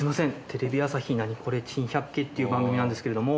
テレビ朝日『ナニコレ珍百景』っていう番組なんですけれども。